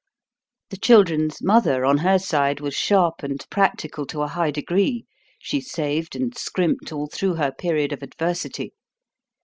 The children's mother, on her side, was sharp and practical to a high degree. She saved and scrimped all through her period of adversity.